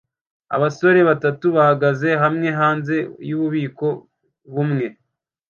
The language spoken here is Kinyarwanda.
Abasore batatu bahagaze hamwe hanze yububiko bumwe